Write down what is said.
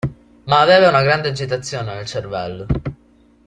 Ma aveva una grande agitazione nel cervello.